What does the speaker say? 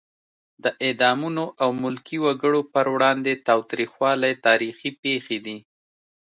د اعدامونو او ملکي وګړو پر وړاندې تاوتریخوالی تاریخي پېښې دي.